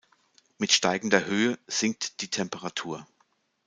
Mit steigender Höhe sinkt die Temperatur.